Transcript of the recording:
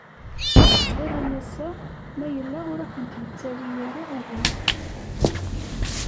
Bɣiɣ ad n-aseɣ ma yella ur akent-d-yettawi ara ugur.